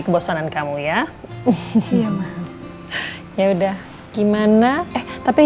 kebosanan kamu ya iya mah ya udah gimana eh tapi